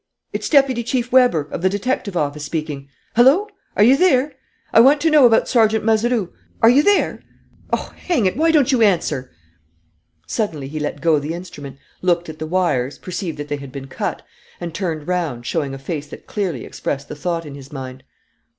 ... It's Deputy Chief Weber, of the detective office, speaking.... Hullo! Are you there? ... I want to know about Sergeant Mazeroux. ... Are you there?. .. Oh, hang it, why don't you answer!" Suddenly he let go the instrument, looked at the wires, perceived that they had been cut, and turned round, showing a face that clearly expressed the thought in his mind.